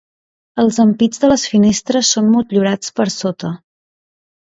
Els ampits de les finestres són motllurats per sota.